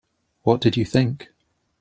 What did you think?